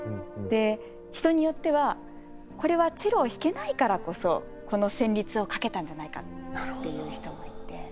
で人によってはこれはチェロを弾けないからこそこの旋律を書けたんじゃないかっていう人もいて。